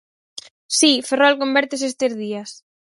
Si, Ferrol convértese estes días...